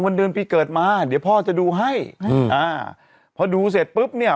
เดือนปีเกิดมาเดี๋ยวพ่อจะดูให้อืมอ่าพอดูเสร็จปุ๊บเนี่ย